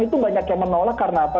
itu banyak yang menolak karena apa